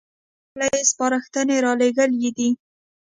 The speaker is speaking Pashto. په دې هکله يې سپارښنې رالېږلې دي